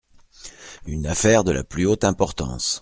Une affaire de la plus haute importance !…